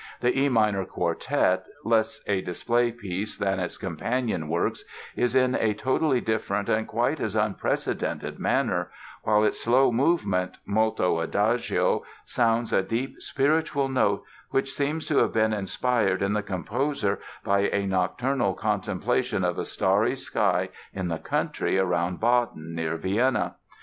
The E minor Quartet, less a display piece than its companion works, is in a totally different and quite as unprecedented manner, while its slow movement ("Molto Adagio") sounds a deep, spiritual note which seems to have been inspired in the composer by a nocturnal contemplation of a starry sky in the country around Baden, near Vienna.